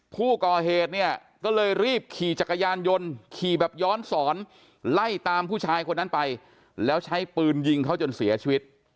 ผู้ก่อเหตุเนี่ยก็เลยรีบขี่จักรยานยนต์ขี่แบบย้อนสอนไล่ตามผู้ชายคนนั้นไปแล้วใช้ปืนยิงเขาจนเสียชีวิต